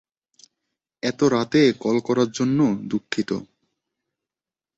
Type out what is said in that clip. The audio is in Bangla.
এত রাতে কল করার জন্য দুঃখিত।